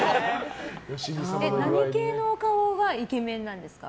何系のお顔がイケメンなんですか？